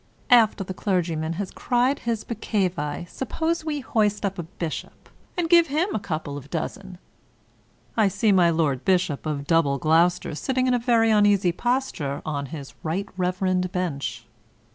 After the clergyman has cried his peccavi, suppose we hoist up a bishop, and give him a couple of dozen I (I see my Lord Bishop of Double Gloucester sitting in a very uneasy posture on his right reverend bench.)